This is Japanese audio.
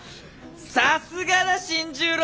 さすがだ新十郎！